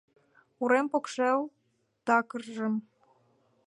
Урем покшел такыржым